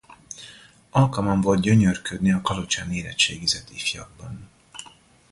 Alkalmam volt gyönyörködni a Kalocsán érettségizett ifjakban.